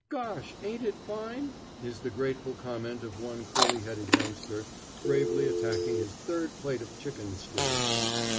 "Gosh! ain't it fine?" is the grateful comment of one curly headed youngster, bravely attacking his third plate of chicken stew.